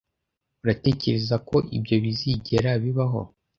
Uratekereza ko ibyo bizigera bibaho?